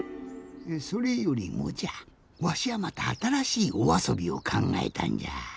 それよりもじゃわしはまたあたらしいおあそびをかんがえたんじゃ。